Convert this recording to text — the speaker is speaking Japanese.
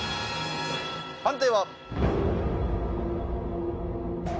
判定は？